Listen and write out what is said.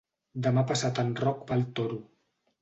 Demà passat en Roc va al Toro.